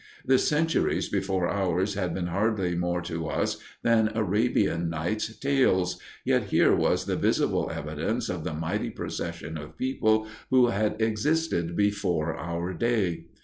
The centuries before ours had been hardly more to us than Arabian Nights' tales, yet here was the visible evidence of the mighty procession of people who had existed before our day.